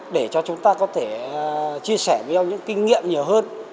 để cho chúng ta có thể chia sẻ với nhau những kinh nghiệm nhiều hơn